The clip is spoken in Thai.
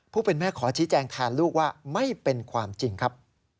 ผู้เป็นแม่ขอชี้แจงแทนลูกว่าไม่เป็นความจริงครับ